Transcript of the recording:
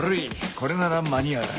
これなら間に合う